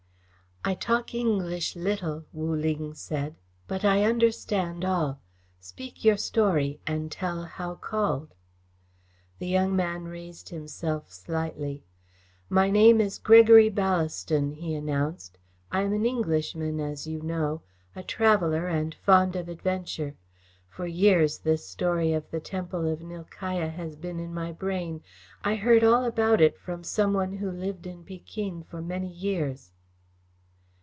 "I talk English little," Wu Ling said, "but I understand all. Speak your story, and tell how called." The young man raised himself slightly. "My name is Gregory Ballaston," he announced. "I am an Englishman, as you know, a traveller and fond of adventure. For years this story of the temple of Nilkaya has been in my brain. I heard all about it from some one who lived in Pekin for many years."